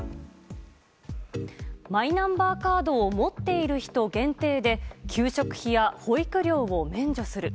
マイナンバーカードを持っている人限定で給食費や保育料を免除する。